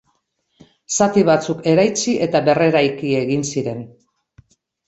Zati batzuk eraitsi eta berreraiki egin ziren.